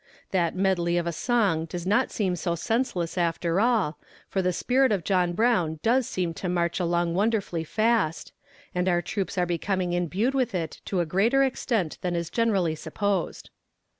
That medley of a song does not seem so senseless after all, for the spirit of John Brown does seem to march along wonderfully fast, and our troops are becoming imbued with it to a greater extent than is generally supposed.